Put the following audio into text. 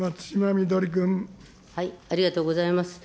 ありがとうございます。